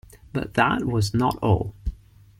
But that was not all.